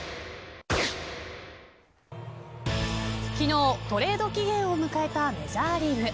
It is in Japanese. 昨日トレード期限を迎えたメジャーリーグ。